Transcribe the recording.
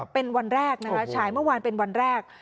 เป็นวันแรกนะคะฉายเมื่อวานเป็นวันแรก